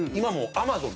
アマゾンで。